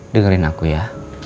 dengerin aku ya